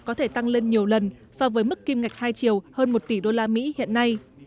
có thể tăng lên nhiều lần so với mức kim ngạch hai triệu hơn một tỷ usd hiện nay